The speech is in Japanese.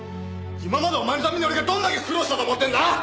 今までお前のために俺がどんだけ苦労したと思ってんだ！